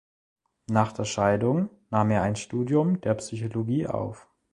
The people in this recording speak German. Nach der Scheidung nahm er ein Studium der Psychologie auf.